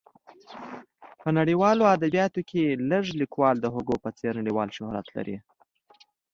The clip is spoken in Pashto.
په نړیوالو ادبیاتو کې لږ لیکوال د هوګو په څېر نړیوال شهرت لري.